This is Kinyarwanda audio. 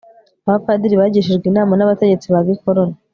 abapadiri bagishijwe inama n'abategetsi ba gikoloni